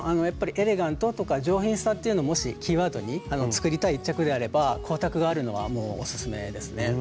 やっぱりエレガントとか上品さっていうのをもしキーワードに作りたい一着であれば光沢があるのはもうおすすめですね。